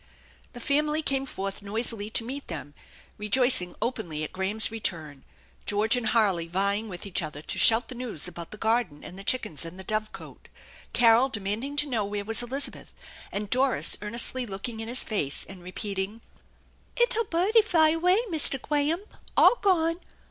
The family came forth noisily to meet them, rejoicing openly at Graham's return, George and Harley vying with each other to shout the news about the garden and the chickens and the dove cote; Carol demanding to know where was Elizabeth; and Doris earnestly looking in his face and repeating : "Ickle budie fy away, Mistah Gwaham. All gone!